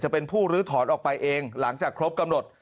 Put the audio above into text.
เป็นผู้ลื้อถอนออกไปเองหลังจากครบกำหนด